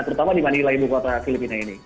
terutama di manila ibu kota filipina ini